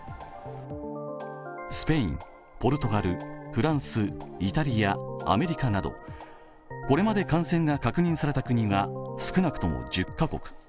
スペイン、ポルトガル、フランス、イタリア、アメリカなどこれまで感染が確認された国は少なくとも１０カ国。